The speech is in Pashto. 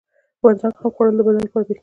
بادرنګ خام خوړل د بدن لپاره بهتر دی.